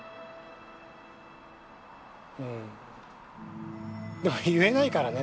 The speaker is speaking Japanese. うんでも言えないからね